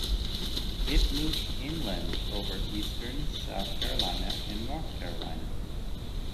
It moved inland over eastern South Carolina and North Carolina.